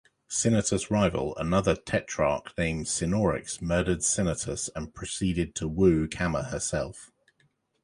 Sinatus' rival, another tetrarch named Sinorix, murdered Sinatus and proceeded to woo Camma herself.